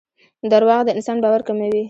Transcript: دراوغ دانسان باور کموي